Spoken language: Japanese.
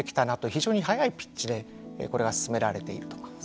非常に早いピッチでこれが進められていると。